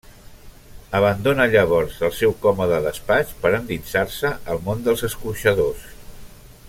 Abandona llavors el seu còmode despatx per endinsar-se al món dels escorxadors.